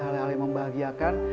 hal hal yang membahagiakan